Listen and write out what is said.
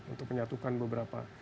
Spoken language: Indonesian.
untuk menyatukan beberapa